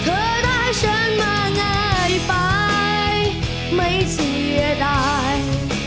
เธอได้ฉันมาง่ายไปไม่เสียดาย